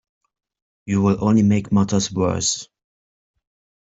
You'll only make matters worse.